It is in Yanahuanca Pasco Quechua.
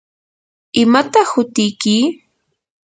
¿imataq hutiyki?